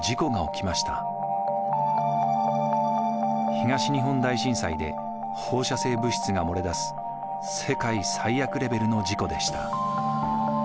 東日本大震災で放射性物質が漏れ出す世界最悪レベルの事故でした。